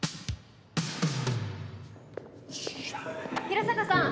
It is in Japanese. ・平坂さん。